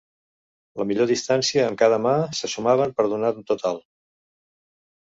La millor distància amb cada mà se sumaven per donar un total.